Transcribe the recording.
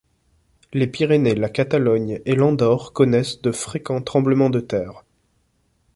Les Pyrénées, la Catalogne et l'Andorre connaissent de fréquents tremblements de terre.